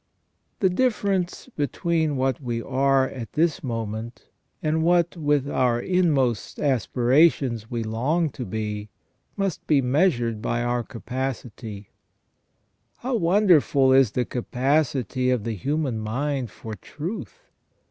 The difference between what we are at this moment, and what with our inmost aspirations WHY MAN IS MADE TO THE IMAGE OF GOD. 31 we long to be, must be measured by our capacity. How won derful is the capacity of the human mind for truth